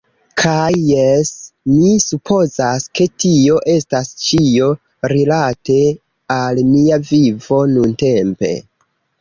Kaj jes, mi supozas, ke tio estas ĉio rilate al mia vivo nuntempe.